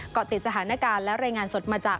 เกาะติดสถานการณ์และรายงานสดมาจาก